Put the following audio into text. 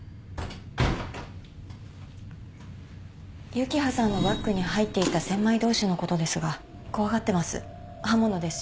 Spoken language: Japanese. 幸葉さんのバッグに入っていた千枚通しのことですが怖がってます刃物ですし。